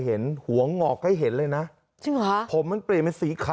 เห็นไหม